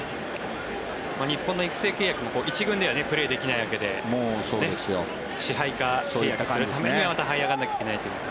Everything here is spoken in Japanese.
日本の育成契約も１軍ではプレーできないわけで支配下契約するためにまたはい上がらないといけないという。